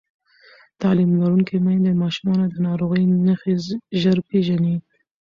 تعلیم لرونکې میندې د ماشومانو د ناروغۍ نښې ژر پېژني.